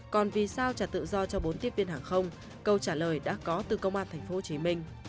còn vì sao trả tự do cho bốn tiếp viên hàng không câu trả lời đã có từ công an tp hcm